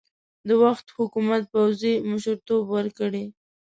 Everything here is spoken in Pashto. د وخت حکومت پوځي مشرتوب ورکړي.